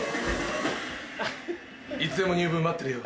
いつでも入部待ってるよ。